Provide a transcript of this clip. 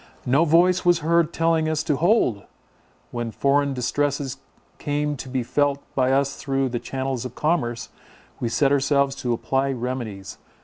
No voice was heard telling us to hold! When foreign distresses came to be felt by us through the channels of commerce, we set ourselves to apply remedies.